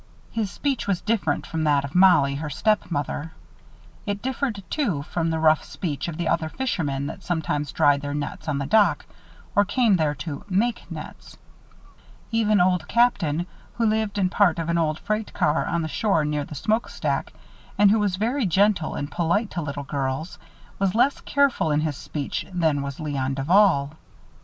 His speech was different from that of Mollie, her stepmother. It differed, too, from the rough speech of the other fishermen that sometimes dried their nets on the dock, or came there to make nets. Even Old Captain, who lived in part of an old freight car on the shore near the smoke stack, and who was very gentle and polite to little girls, was less careful in his speech than was Léon Duval.